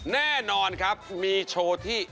แน่นอนครับมีโชว์ที่